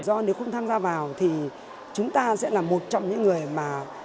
do nếu không tham gia vào thì chúng ta sẽ là một trong những người mà